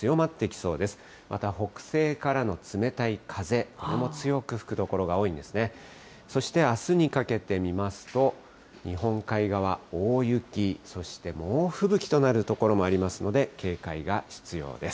そして、あすにかけて見ますと、日本海側、大雪、そして猛吹雪となる所もありますので、警戒が必要です。